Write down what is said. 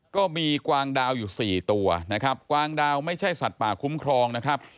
กวางดาวอยู่สี่ตัวนะครับกวางดาวไม่ใช่สัตว์ป่าคุ้มครองนะครับ